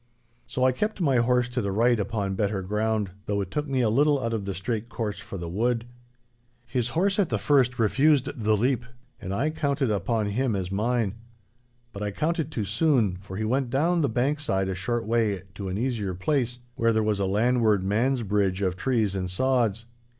So I kept my horse to the right upon better ground, though it took me a little out of the straight course for the wood. His horse at the first refused the leap, and I counted upon him as mine. But I counted too soon, for he went down the bankside a short way to an easier place, where there was a landward man's bridge of trees and sods.